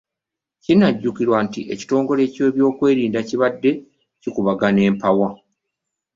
Kinajjukirwa nti ebitongole by'ebyokwerinda bibadde bikubagana empawa